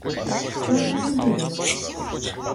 Що з неї буде?